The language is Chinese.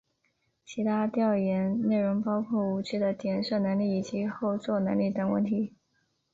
其他调研内容包括武器的点射能力以及后座力等问题。